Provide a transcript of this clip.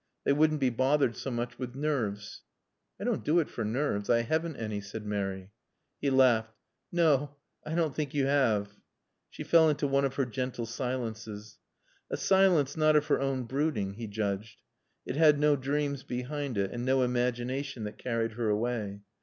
They wouldn't be bothered so much with nerves." "I don't do it for nerves. I haven't any," said Mary. He laughed. "No, I don't think you have." She fell into one of her gentle silences. A silence not of her own brooding, he judged. It had no dreams behind it and no imagination that carried her away.